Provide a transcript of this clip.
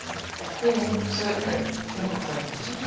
これ４つ絵描かれてますけど。